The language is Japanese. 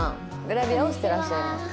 グラビアをしてらっしゃいます。